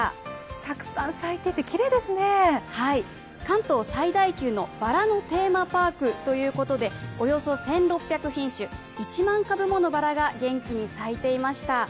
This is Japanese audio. たくさん咲いてて、きれいですね関東最大級のバラのテーマパークということで、およそ１６００品種、１万株ものバラが元気に咲いていました。